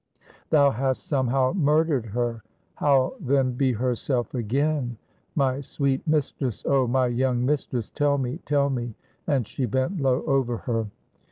"Thou hast somehow murdered her; how then be herself again? My sweet mistress! oh, my young mistress! Tell me! tell me!" and she bent low over her.